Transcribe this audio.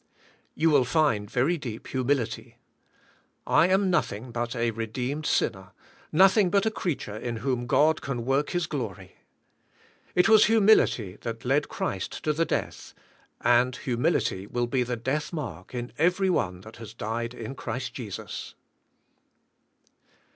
You will find very deep humility. I am nothing" but a redeemed sinner, nothing but a creature in whom God can work His g"lory It was humility that led Christ to the death, and humility will be the death mark in every one that has died in Christ Jesus.